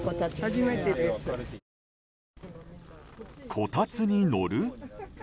こたつに乗る？